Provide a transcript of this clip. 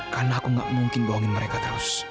karena aku gak mungkin bohongin mereka terus